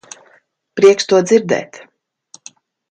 Prieks to dzirdēt.